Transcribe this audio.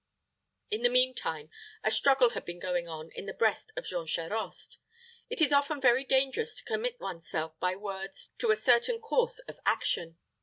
In the mean time, a struggle had been going on in the breast of Jean Charost. It is often very dangerous to commit one's self by words to a certain course of action.